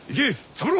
三郎。